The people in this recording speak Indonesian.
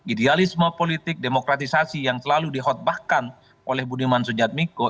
idealisme politik demokratisasi yang selalu dikhutbahkan oleh budiman sujadmiko